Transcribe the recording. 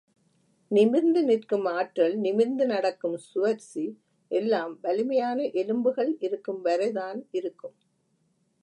நிமிர்ந்து நிற்கும் ஆற்றல், நிமிர்ந்து நடக்கும் சுவர்ச்சி எல்லாம் வலிமையான எலும்புகள் இருக்கும் வரைதான் இருக்கும்.